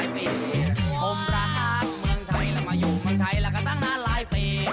ผมรักเมืองไทยและมาอยู่เมืองไทยและกระตั้งห้าร้ายปี